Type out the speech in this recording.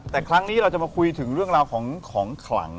แต่ครั้งนี้เราจะมาคุยถึงเรื่องราวของของขลัง